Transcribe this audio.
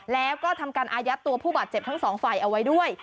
แล้วก็ทำการอายัดตัวผู้บาดเจ็บทั้งสองฝ่ายเอาไว้ด้วย